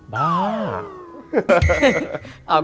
บ้า